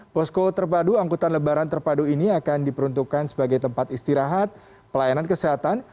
posko terpadu angkutan lebaran terpadu ini akan diperuntukkan sebagai tempat istirahat pelayanan kesehatan